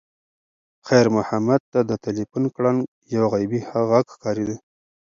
خیر محمد ته د تلیفون ګړنګ یو غیبي غږ ښکارېده.